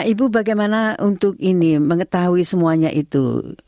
ibu bagaimana untuk ini mengetahui semuanya itu